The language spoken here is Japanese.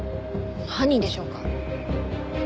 犯人でしょうか？